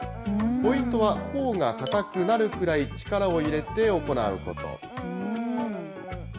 ポイントはほおが硬くなるくらい力を入れて行うこと。